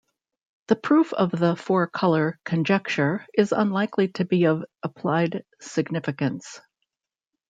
The proof of the four-color conjecture is unlikely to be of applied significance.